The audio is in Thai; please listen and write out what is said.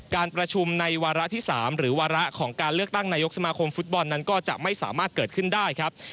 การประชุมในวาระที่๓หรือวาระของการเลือกตั้งนายกสมาคมฟุตบอลนั้นก็จะไม่สามารถเกิดขึ้นได้ครับ